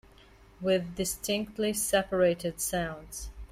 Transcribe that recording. With distinctly separated sounds.